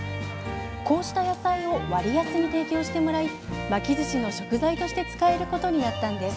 こうした野菜を割安に提供してもらい巻きずしの食材として使えることになったんです。